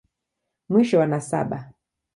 Mwisho wa nasaba.